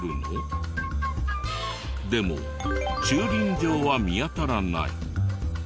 でも駐輪場は見当たらない。